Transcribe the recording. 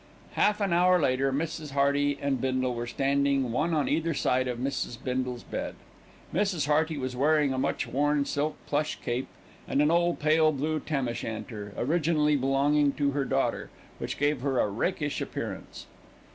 Half an hour later, Mrs. Hearty and Bindle were standing one on either side of Mrs. Bindle's bed. Mrs. Hearty was wearing a much worn silk plush cape and an old, pale blue tam o shanter, originally belonging to her daughter, which gave her a rakish appearance.